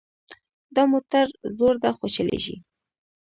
دا موټر زوړ ده خو چلیږي